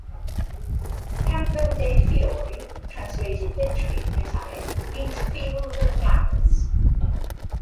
"Campo de' Fiori", translated literally from Italian, means "field of flowers".